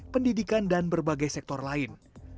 pendidikan dan berbagai sektor lain